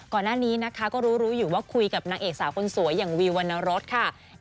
ก่อนหน้านี้นะคะก็รู้รู้อยู่ว่าคุยกับนางเอกสาวคนสวยอย่างวิววรรณรสค่ะ